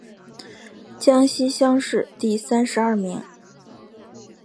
江西乡试第三十二名。